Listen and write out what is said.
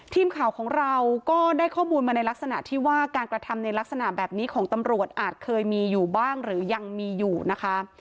ทีมข่าวของเราก็ได้ข้อมูลมาในลักษณะที่ว่าการกระทำในลักษณะแบบนี้ของตำรวจอาจเคยมีอยู่บ้างหรือยังมีอยู่นะคะ